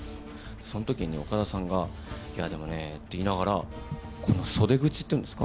そのときに、岡田さんが、いや、でもねぇって言いながら、この袖口っていうんですか？